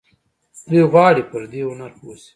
دوی غواړي پر دې هنر پوه شي.